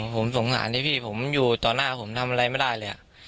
ผมสงสารที่พี่ผมอยู่ต่อหน้าผมทำอะไรไม่ได้เลย